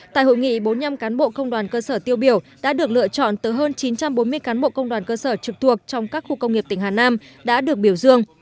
tại hội nghị bốn mươi năm cán bộ công đoàn cơ sở tiêu biểu đã được lựa chọn từ hơn chín trăm bốn mươi cán bộ công đoàn cơ sở trực thuộc trong các khu công nghiệp tỉnh hà nam đã được biểu dương